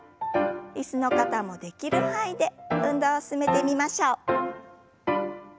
椅子の方もできる範囲で運動を進めてみましょう。